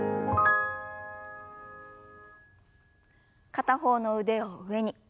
片方の腕を上に。